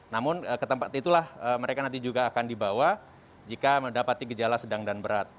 namun ke tempat itulah mereka nanti juga akan dibawa jika mendapati gejala sedang dan berat